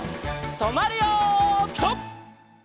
とまるよピタ！